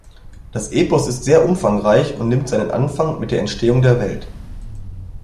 Das Epos ist sehr umfangreich und nimmt seinen Anfang mit der Entstehung der Welt.